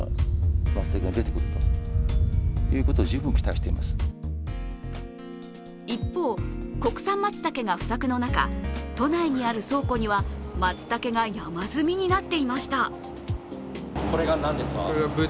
しかし一方、国産松茸が不作の中、都内にある倉庫には松茸が山積みになっていました。